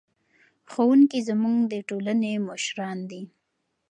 ښوونکي زموږ د ټولنې مشران دي.